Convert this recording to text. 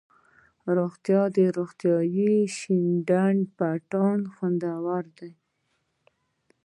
روغتيا، روغتیایي ،شين ډنډ، پټان ، خوندور،